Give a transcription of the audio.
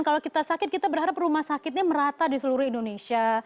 kalau kita sakit kita berharap rumah sakitnya merata di seluruh indonesia